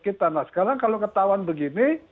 kita nah sekarang kalau ketahuan begini